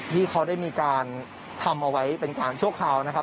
ที่เขาได้มีการทำเอาไว้เป็นการชั่วคราวนะครับ